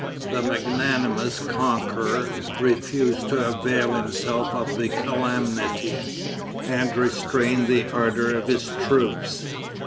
The magnanimous conqueror refused to avail himself of the calamity, and restrained the ardor of his troops.